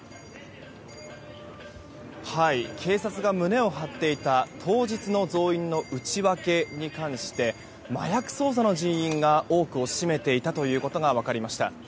警察が胸を張っていた当日の増員の内訳に関して麻薬捜査の人員が多くを占めていたということが分かりました。